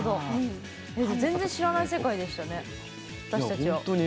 全然知らない世界でしたね、私たちは。